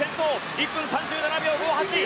１分３７秒５８。